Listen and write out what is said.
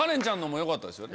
よかったですね。